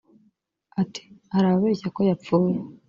Ati “Hari ababeshya ko bapfuye